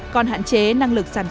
còn hạn chế năng lực sản phẩm